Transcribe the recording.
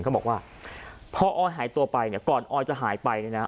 เขาบอกว่าพอออยหายตัวไปเนี่ยก่อนออยจะหายไปเนี่ยนะ